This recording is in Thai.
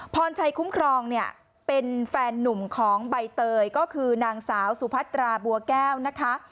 พรชัยคุ้มครองเนี่ยเป็นแฟนนุ่มของใบเตยก็คือนางสาวสุพัตราบัวแก้วนะคะ